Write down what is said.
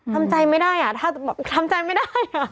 ทำใจไม่ได้อะทำใจไม่ได้อะ